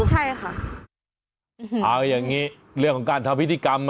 ใช่ค่ะเอาอย่างนี้เรื่องของการทำพิธีกรรมนะ